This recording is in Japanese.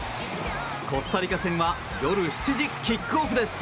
コスタリカ戦は夜７時、キックオフです。